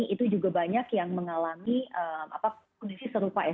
itu juga banyak yang mengalami kondisi serupa ya